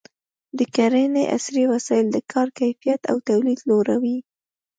د کرنې عصري وسایل د کار کیفیت او تولید لوړوي.